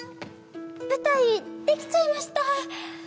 舞台出来ちゃいました。